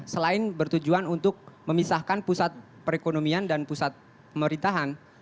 selain bertujuan untuk memisahkan pusat perekonomian dan pusat pemerintahan